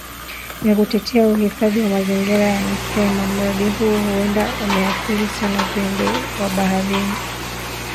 ya kutetea uhifadhi wa mazingira yanasema mradi huo huenda umeathiri sana viumbe wa baharini